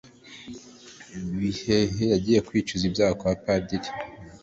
bihehe yagiye kwicuza ibyaha kwa padiri,